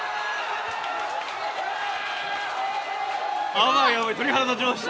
やばい、やばい、鳥肌立ちま